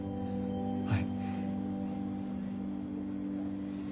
はい。